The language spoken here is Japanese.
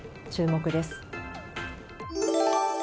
注目です。